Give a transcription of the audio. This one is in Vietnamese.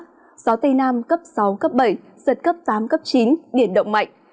gió tây nam cấp sáu cấp bảy giật cấp tám cấp chín biển động mạnh